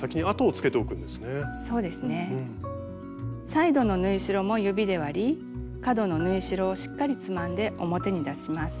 サイドの縫い代も指で割り角の縫い代をしっかりつまんで表に出します。